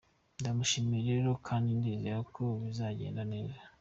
Ndamushimiye rero kandi ndizera ko bizagenda neza.